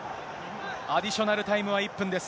アディショナルタイムは１分です。